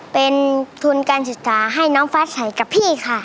เป็นทุนการศึกษาให้น้องฟ้าใสกับพี่ค่ะ